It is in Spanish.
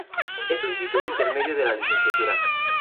Es un título intermedio de la Licenciatura.